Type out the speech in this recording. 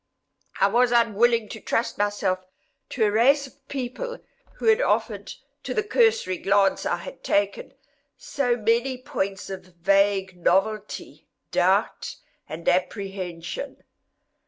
I was unwilling to trust myself with a race of people who had offered, to the cursory glance I had taken, so many points of vague novelty, doubt, and apprehension.